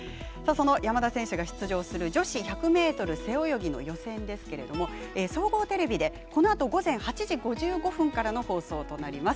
山田選手が出場する女子１００ｍ背泳ぎの予選ですけれども総合テレビで、このあと午前８時５５分からの放送です。